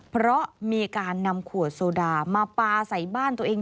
เพราะมีการนำขวดโซดามาปลาใส่บ้านตัวเอง